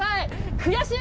悔しい！